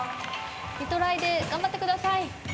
リトライで頑張ってください。